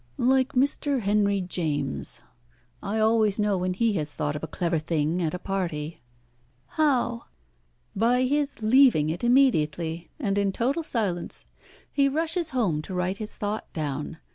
"Like Mr. Henry James. I always know when he has thought of a clever thing at a party." "How?" "By his leaving it immediately, and in total silence. He rushes home to write his thought down.